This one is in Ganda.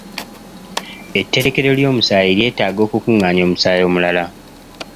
Etterekero ly'omusaayi lyeetaaga okukungaanya omusaayi omulala.